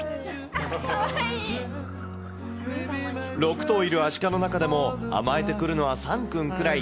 ６頭いるアシカの中でも、甘えてくるのはサンくんくらい。